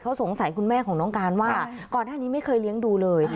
เขาสงสัยคุณแม่ของน้องการว่าก่อนหน้านี้ไม่เคยเลี้ยงดูเลย